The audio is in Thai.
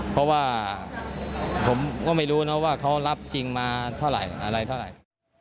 เพราะว่าผมก็ไม่รู้นะว่าเขารับจริงมาเท่าไหร่อะไรเท่าไหร่